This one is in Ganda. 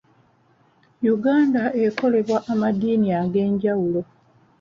Uganda ekolebwa amadiini ag'enjawulo.